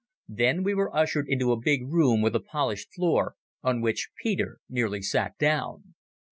Then we were ushered into a big room with a polished floor on which Peter nearly sat down.